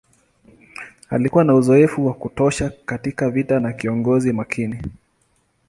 Alikuwa na uzoefu wa kutosha katika vita na kiongozi makini.